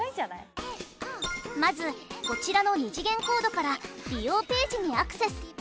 まずこちらの２次元コードから利用ページにアクセス。